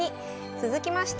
続きまして。